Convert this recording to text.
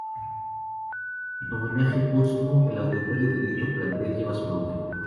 En homenaje póstumo, el auditorio de dicho plantel lleva su nombre.